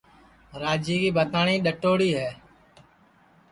راجیے کی بھتاٹؔی ڈؔٹؔوڑی ہے